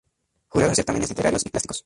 Jurado en Certámenes Literarios y Plásticos.